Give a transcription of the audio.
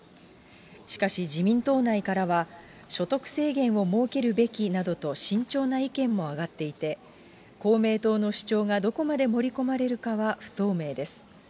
しかし、自民党内からは、所得制限を設けるべきなどと慎重な意見も上がっていて、公明党の主張がどこまで盛り込まれるかは不透明です。